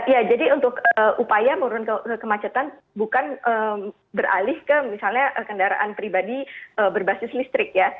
ya jadi untuk upaya menurunkan kemacetan bukan beralih ke misalnya kendaraan pribadi berbasis listrik ya